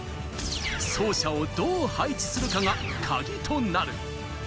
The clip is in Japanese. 走者をどう配置するかがカギとなる。